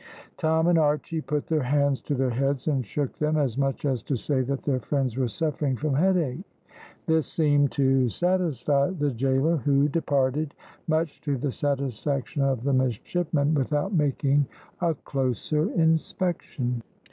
Tom and Archy put their hands to their heads, and shook them, as much as to say that their friends were suffering from head ache. This seemed to satisfy the gaoler, who departed, much to the satisfaction of the midshipmen, without making a closer inspection.